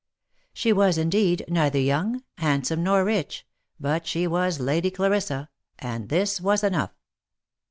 She was, indeed, neither young, handsome, nor rich, but she was Lady Clarissa, and this was enough.